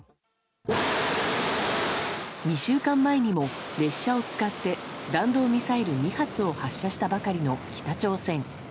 ２週間前にも列車を使って弾道ミサイル２発を発射したばかりの北朝鮮。